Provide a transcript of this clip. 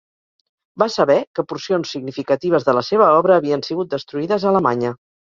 Va saber que porcions significatives de la seva obra havien sigut destruïdes a Alemanya.